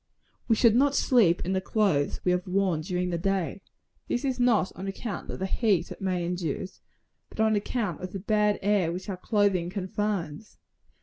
We should not sleep in the clothes we have worn during the day. This is not on account of the heat it may induce, but on account of the bad air which our clothing confines.